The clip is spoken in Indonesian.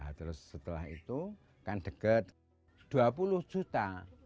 terus setelah itu kan deket dua puluh juta